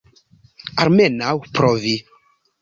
Almenaŭ provi.